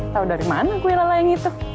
tahu dari mana gue lelah yang itu